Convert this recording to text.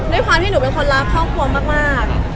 ด้วยความที่หนูเป็นคนรักครอบครัวมาก